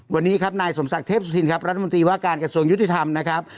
วันนี้ครับนายสมศักดิ์เทพสุธินครับรัฐมนตรีว่าการกระทรวงยุติธรรมนะครับ